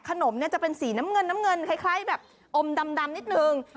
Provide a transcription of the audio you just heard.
ขนมเนี่ยจะเป็นสีน้ำเงินคล้ายแบบอมดำนิดนึง